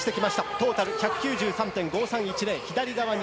トータル１９３．５３１０。